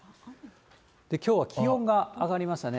きょうは気温が上がりましたね。